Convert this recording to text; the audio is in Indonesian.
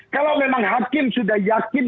kalau memang hakim sudah yakin